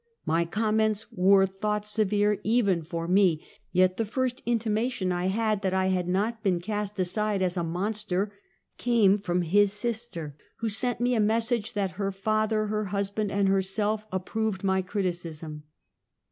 My comments were thought severe, even for me, yet the first intimation I had that I had not been cast aside as a monster, came from his sister, who sent me a message that her father, her husband and herself, ap proved my criticism.